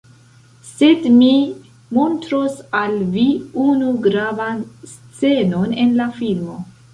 Sed mi montros al vi unu gravan scenon en la filmo